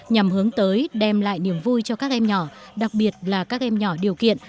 nhằm hướng tới đem lại niềm vui cho các em nhỏ đặc biệt là các em nhỏ điều kiện